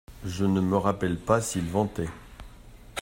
Je ne me rappelle pas s’il ventait.